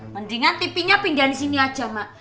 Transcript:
mendingan tv nya pindah di sini aja mbak